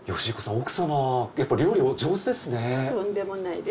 奥様やっぱ料理お上手ですね。